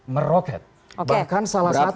meroket bahkan salah satu